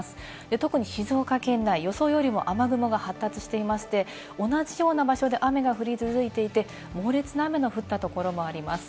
特に静岡県内は予想よりも雨雲が発達していまして、同じような場所で雨が降り続いていて、猛烈な雨の降ったところもあります。